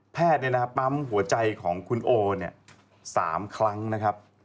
ปั๊มหัวใจของคุณโอ๓ครั้งนะครับ